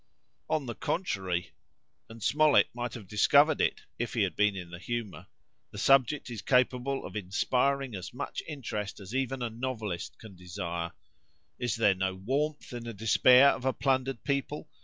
On the contrary, and Smollett might have discovered it, if he had been in the humour, the subject is capable of inspiring as much interest as even a novellist can desire. Is there no warmth in the despair of a plundered people?